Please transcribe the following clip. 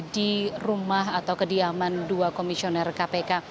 di rumah atau kediaman dua komisioner kpk